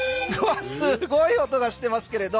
すごい音がしてますけれど